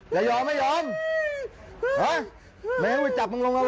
อย่ายอมไม่ยอมวิจับมันลงระลกนะ